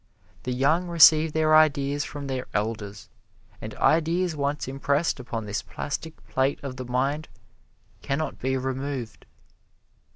The young receive their ideas from their elders, and ideas once impressed upon this plastic plate of the mind can not be removed.